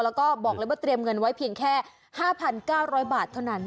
แล้วก็บอกเลยว่าเตรียมเงินไว้เพียงแค่๕๙๐๐บาทเท่านั้น